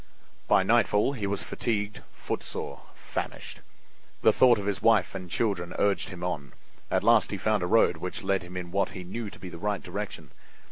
By nightfall he was fatigued, footsore, famished. The thought of his wife and children urged him on. At last he found a road which led him in what he knew to be the right direction.